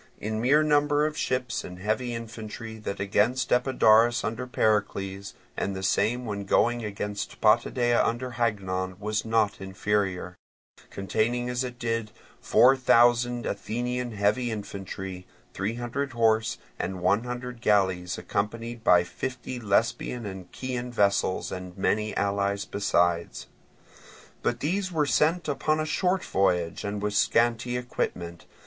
In mere number of ships and heavy infantry that against Epidaurus under Pericles, and the same when going against Potidæa under Hagnon, was not inferior; containing as it did four thousand Athenian heavy infantry, three hundred horse, and one hundred galleys accompanied by fifty Lesbian and Chian vessels and many allies besides. But these were sent upon a short voyage and with a scanty equipment.